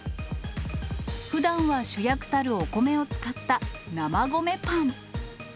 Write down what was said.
ふだんは主役たるお米を使った生米パン。